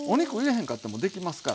へんかってもできますから。